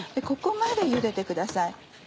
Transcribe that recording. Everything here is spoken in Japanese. ここまでゆでてください。